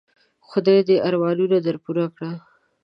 خدای دي ارمانونه در پوره کړه .